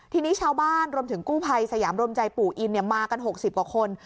ทีนี้ชาวบ้านรวมถึงกู้ภัยสยามรมใจปู่อินมากัน๖๐กว่าคน